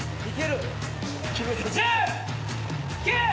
１０９。